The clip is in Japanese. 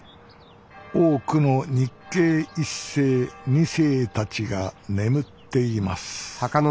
多くの日系１世２世たちが眠っています